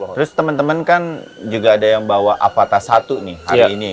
terus teman teman kan juga ada yang bawa avata satu nih hari ini